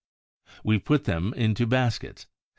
We put them into baskets.